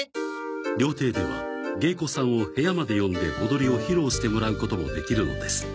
料亭では芸妓さんを部屋まで呼んで踊りを披露してもらうこともできるのです。